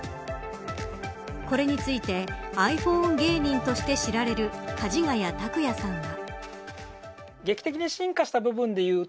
これについてｉＰｈｏｎｅ芸人として知られるかじがや卓哉さんは。